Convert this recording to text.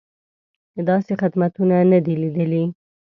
داسې خدمتونه نه دي لیدلي.